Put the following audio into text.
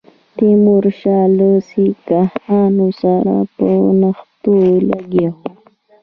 تیمورشاه له سیکهانو سره په نښتو لګیا وو.